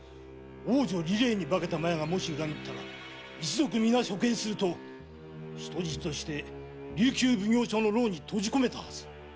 王女・梨麗に化けた麻耶がもし裏切ったら一族みな処刑すると人質として琉球奉行所の牢に閉じこめたはず。